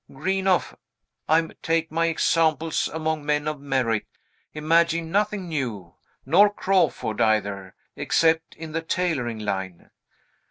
Greenough (I take my examples among men of merit) imagined nothing new; nor Crawford either, except in the tailoring line.